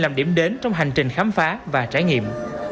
làm điểm đến trong hành trình khám phá và trải nghiệm